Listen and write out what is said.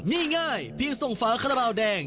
นี่ง่ายเพียงส่งฝาขนาดราวแดง